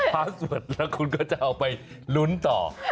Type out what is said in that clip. ถ้าสวดแล้วคุณก็จะเอาไปลุ้นต่อ